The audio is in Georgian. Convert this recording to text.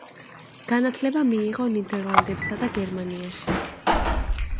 განათლება მიიღო ნიდერლანდებსა და გერმანიაში.